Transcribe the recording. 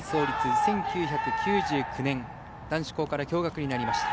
１９９９年、男子校から共学になりました。